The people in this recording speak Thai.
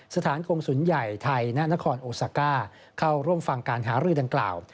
สถานกงศูนย์ใหญ่ไทยณนครโอซาก้าเข้าร่วมฟังการหารือดังกล่าว